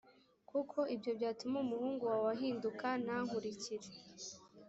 kuko ibyo byatuma umuhungu wawe ahinduka ntankurikire